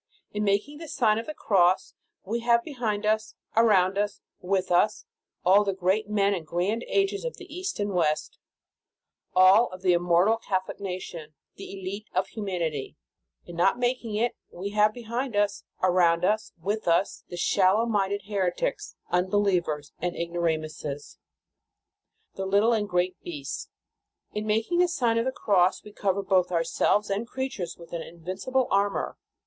In making the Sign of the Cross, we have behind us, around us, with us, all the great men and grand ages of the East and West ; all the immortal Catholic nation, the elite of In the Nineteenth Century. 297 humanity. In not making it, we have behind us, around us, with us, the shallow minded heretics, unbelievers, and ignoramuses, the little and great beasts. In making the Sign of the Cross we cover both ourselves and creatures with an invincible armor.